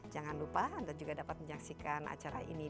jangan lupa anda juga dapat menyaksikan acara ini